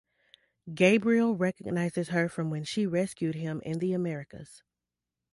Gabriel recognizes her from when she rescued him in the Americas.